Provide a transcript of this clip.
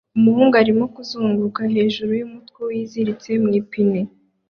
umuhungu arimo kuzunguruka hejuru n'umutwe wiziritse mu ipine